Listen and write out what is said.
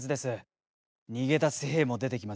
逃げ出す兵も出てきますよ。